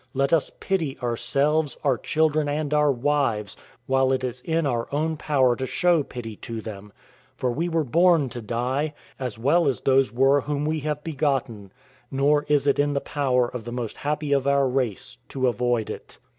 Let us pity ourselves, our children, and our wives while it is in our own power to show pity to them; for we were born to die, 17 as well as those were whom we have begotten; nor is it in the power of the most happy of our race to avoid it.